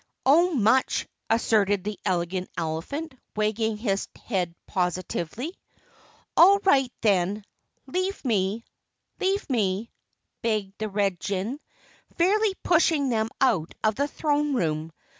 "Oh, much," asserted the Elegant Elephant, wagging his head positively. "All right, then, leave me leave me," begged the Red Jinn, fairly pushing them out of the throne room.